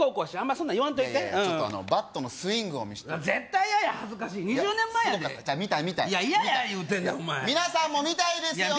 そんなん言わんといてちょっとあのバットのスイングを見してよ絶対嫌や恥ずかしい２０年前やでいやすごかった見たい見たい嫌や言うてんねんお前皆さんも見たいですよね？